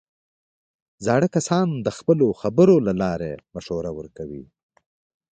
زاړه کسان د خپلو خبرو له لارې مشوره ورکوي